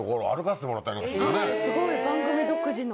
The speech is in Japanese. すごい番組独自の。